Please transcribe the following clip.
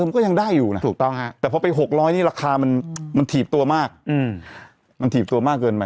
มันก็ยังได้อยู่นะถูกต้องฮะแต่พอไป๖๐๐นี่ราคามันถีบตัวมากมันถีบตัวมากเกินไป